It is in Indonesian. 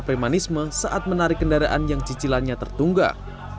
premanisme saat menarik kendaraan yang cicilannya tertunggak